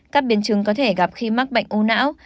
các biến chứng có thể gặp khi mắc bệnh u não